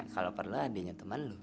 kalau perlu adeknya temen lo